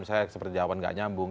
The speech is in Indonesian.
misalnya seperti jawaban nggak nyambung